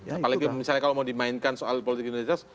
apalagi kalau mau dimainkan soal politik indonesia